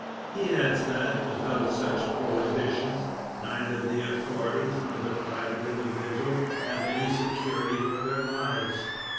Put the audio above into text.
He adds that, without such prohibitions, neither the authorities nor private individuals have any security for their lives.